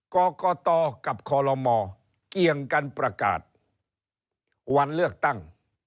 กรกตกับคอลโลมเกียงกันประกาศวันเลือกตั้ง